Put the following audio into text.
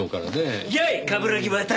やい冠城亘！